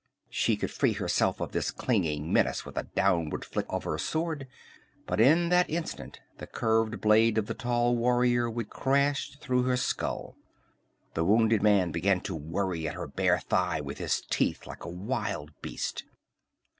She could free herself of this clinging menace with a downward flick of her sword, but in that instant the curved blade of the tall warrior would crash through her skull. The wounded man began to worry at her bare thigh with his teeth like a wild beast.